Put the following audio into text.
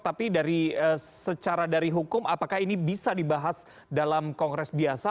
tapi dari secara dari hukum apakah ini bisa dibahas dalam kongres biasa